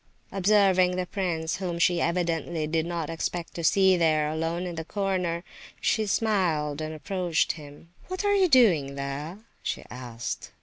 Observing the prince, whom she evidently did not expect to see there, alone in the corner, she smiled, and approached him: "What are you doing there?" she asked.